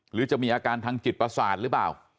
หรือจะมีอาการทางจิตประสาทหรือเปล่า